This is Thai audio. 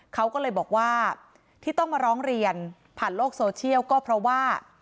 เขาก็เลยบอกว่าที่ต้องมาร้องเรียนผ่านโลกโซเชียลก็เพราะว่า